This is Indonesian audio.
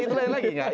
itu lain lagi gak